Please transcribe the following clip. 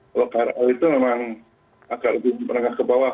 kalau krl itu memang agak lebih menengah ke bawah